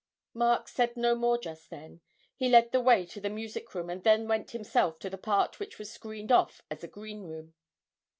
Mark said no more just then; he led the way to the music room, and then went himself to the part which was screened off as a green room.